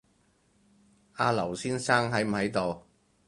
阿劉先生喺唔喺度